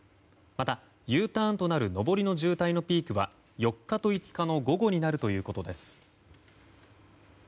また、Ｕターンとなる上りの渋滞のピークは４日と５日の午後になるということです。